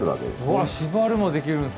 うわっ縛るもできるんですか。